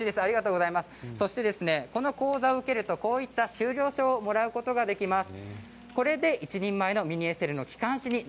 この講座を受けるとこういった終了書をもらうことができます。